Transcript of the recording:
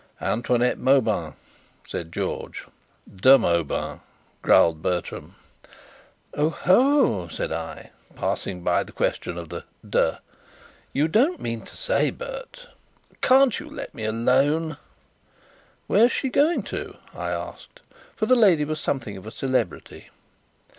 "Antoinette Mauban," said George. "De Mauban," growled Bertram. "Oho!" said I, passing by the question of the `de'. "You don't mean to say, Bert ?" "Can't you let me alone?" "Where's she going to?" I asked, for the lady was something of a celebrity.